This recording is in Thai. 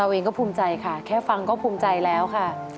เองก็ภูมิใจค่ะแค่ฟังก็ภูมิใจแล้วค่ะ